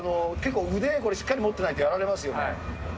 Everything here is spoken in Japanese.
腕、これ、しっかり持ってないとやられますよね。